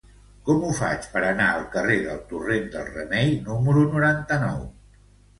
Com ho faig per anar al carrer del Torrent del Remei número noranta-nou?